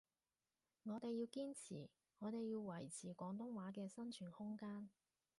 我哋要堅持，我哋要維持廣東話嘅生存空間